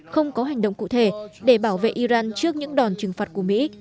không có hành động cụ thể để bảo vệ iran trước những đòn trừng phạt của mỹ